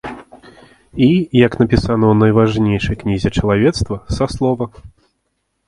І, як напісана ў найважнейшай кнізе чалавецтва, са слова.